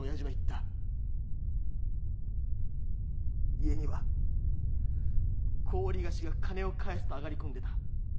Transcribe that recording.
家には高利貸が金を返せと上がり込んでた。